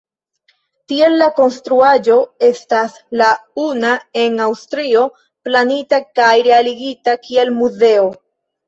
Tiel la konstruaĵo estas la una en Aŭstrio planita kaj realigita kiel muzeo.